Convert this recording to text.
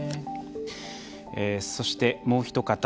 そして、もうお一方。